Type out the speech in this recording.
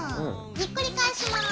ひっくり返します。